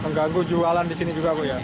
mengganggu jualan di sini juga bu ya